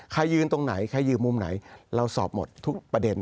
ยืนตรงไหนใครยืนมุมไหนเราสอบหมดทุกประเด็น